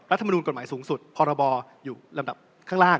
รัฐมนูลกฎหมายสูงสุดพรบอยู่ลำดับข้างล่าง